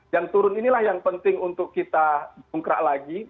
nah turun inilah yang penting untuk kita bongkrak lagi